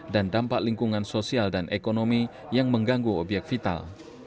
dan dampak lingkungan sosial dan ekonomi yang mengganggu obyek vital